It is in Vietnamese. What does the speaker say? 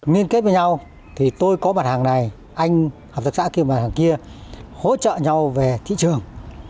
nguyên kết với nhau tôi có bản hàng này anh hợp tác xã kia bản hàng kia hỗ trợ nhau về thị trường